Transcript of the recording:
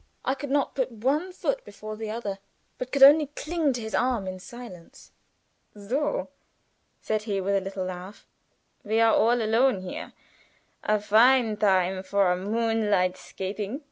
I could not put one foot before the other, but could only cling to his arm in silence. "So!" said he, with a little laugh. "We are all alone here! A fine time for a moonlight skating."